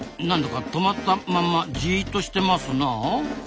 なんだか止まったまんまじっとしてますなあ。